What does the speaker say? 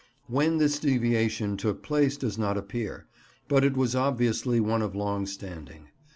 When this deviation took place does not appear; but it was obviously one of long standing.